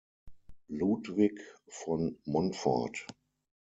Ludwig von Montfort.